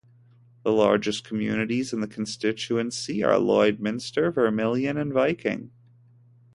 The largest communities in the constituency are Lloydminster, Vermilion and Viking.